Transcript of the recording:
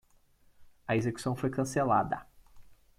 A execução foi cancelada.